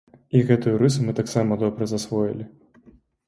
І гэтую рысу мы таксама добра засвоілі.